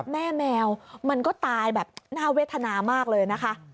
แมวมันก็ตายแบบน่าเวทนามากเลยนะคะ